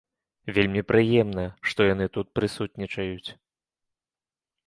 Вельмі прыемна, што яны тут прысутнічаюць.